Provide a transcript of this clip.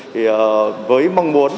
thì với mong muốn